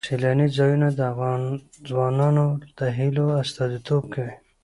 سیلانی ځایونه د افغان ځوانانو د هیلو استازیتوب کوي.